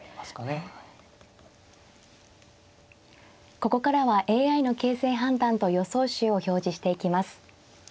ここからはＡＩの形勢判断と予想手を表示していきます。